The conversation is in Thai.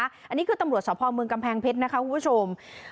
อันนี้คือตำรวจสภเมืองกำแพงเพชรนะคะคุณผู้ชม